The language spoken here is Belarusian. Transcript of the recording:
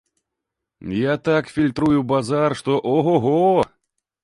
Я так фільтрую базар, што о-го-го!